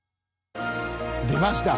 出ました！